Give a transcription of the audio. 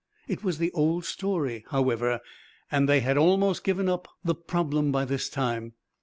It was the old story, however, and they had almost given up the problem by this time.